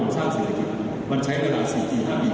จะตั้งใจเป็นความจริง